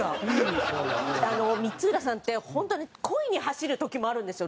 光浦さんって本当に恋に走る時もあるんですよ。